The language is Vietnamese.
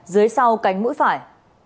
dưới sau cánh mũi phải